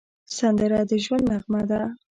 سندره د ژوند نغمه ده